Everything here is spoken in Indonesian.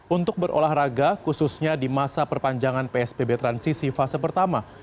untuk berolahraga khususnya di masa perpanjangan psbb transisi fase pertama